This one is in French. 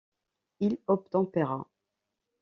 Il obtempéra.